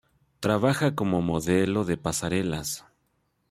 Trabaja como modelo de pasarelas.